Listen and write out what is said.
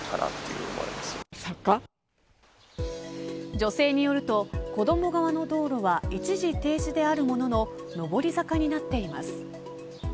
女性によると子ども側の道路は一時停止であるものの上り坂になっています。